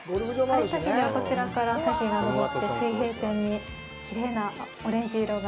晴れた日には、こちらから朝日が昇って、水平線にきれいなオレンジ色が。